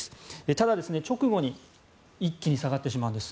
ただ、直後に一気に下がってしまうんです。